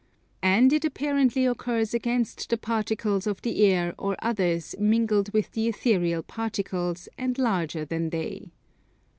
And it apparently occurs against the particles of the air or others mingled with the ethereal particles and larger than they.